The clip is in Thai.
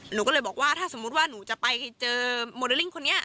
หนูก็เลยบอกว่าถ้าสมมุติว่าหนูจะไปเจอโมเดลลิ่งคนนี้